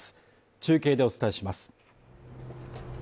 中継でお伝えします。